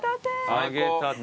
揚げたて。